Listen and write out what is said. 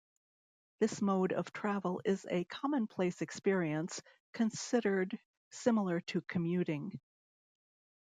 This mode of travel is a commonplace experience, considered similar to commuting.